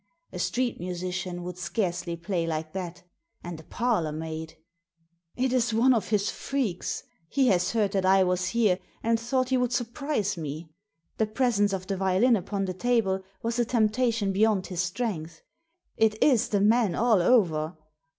A street musician would scarcely play like that — and a parlour maid ! "It is one of his freaks. He has heard that I was here, and thought he would surprise me. The presence of the violin upon the table was a temptation beyond his strength — it is the man all over!